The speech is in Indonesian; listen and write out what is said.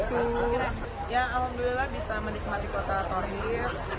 ya alhamdulillah bisa menikmati kota toril